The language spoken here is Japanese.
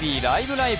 ライブ！